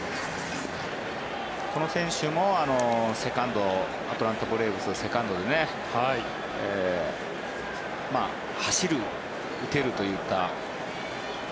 この選手もアトランタ・ブレーブスのセカンドで走る、受けるというか。